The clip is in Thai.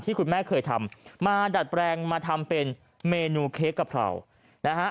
คุณแม่เคยทำมาดัดแปลงมาทำเป็นเมนูเค้กกะเพรานะฮะ